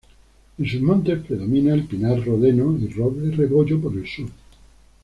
En sus montes predomina el pinar rodeno y roble rebollo por el sur.